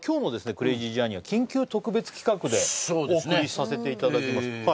クレイジージャーニーは緊急特別企画でそうですねええお送りさせていただきます